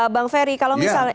bang ferry kalau misalnya